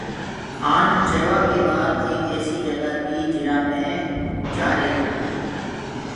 کآنڊ ٺيوآ ڪي بآد ايڪ ايسي جگآ تي جرآ مي کآڙ رهيري تي۔